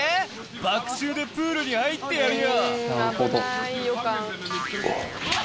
バク宙でプールに入ってやるよ。